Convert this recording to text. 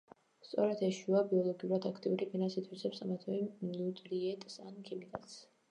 სწორედ ეს შუა, ბიოლოგიურად აქტიური ფენა ითვისებს ამა თუ იმ ნუტრიენტს, ან ქიმიკატს.